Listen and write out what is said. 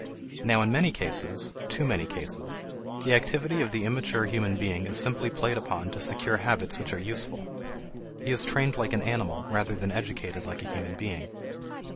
Now in many cases too many cases the activity of the immature human being is simply played upon to secure habits which are useful. He is trained like an animal rather than educated like a human being.